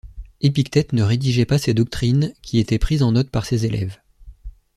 Épictète ne rédigeait pas ses doctrines, qui étaient prises en note par ses élèves.